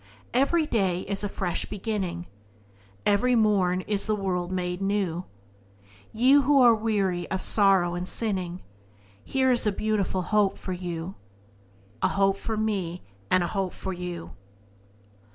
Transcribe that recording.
"Every day is a fresh beginning; Every morn is the world made new, Ye who are weary of sorrow and sinning, Here is a beautiful hope for you, A hope for me and a hope for you."